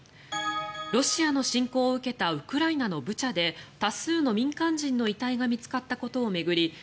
ロシアの侵攻を受けたウクライナのブチャで多数の民間人の遺体が見つかったことを巡り